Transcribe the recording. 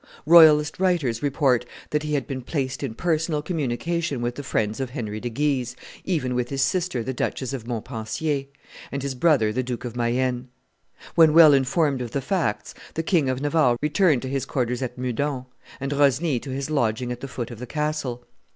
Royalist writers report that he had been placed in personal communication with the friends of Henry de Guise, even with his sister the Duchess of Montpensier, and his brother the Duke of Mayenne. When well informed of the facts, the King of Navarre returned to his quarters at Meudon, and Rosny to his lodging at the foot of the castle.